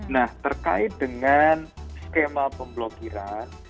nah terkait dengan skema pemblokiran